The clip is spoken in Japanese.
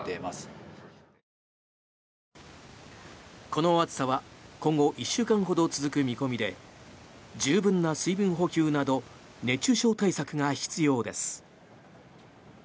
この暑さは今後１週間ほど続く見込みで十分な水分補給など熱中症対策が必要です。